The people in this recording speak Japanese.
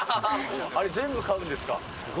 あれ、全部買うんですか？